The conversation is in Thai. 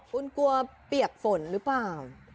คุณกลัวเปียกฝนหรือเปล่า